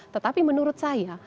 tetapi menurut saya